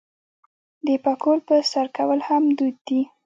د پکول په سر کول هم دود دی.